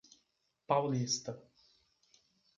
Paulista